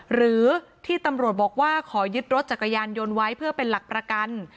หรือที่ตำรวจบอกว่าขอยึดรถจักรยานยนต์ไว้เพื่อเป็นหลักประกัน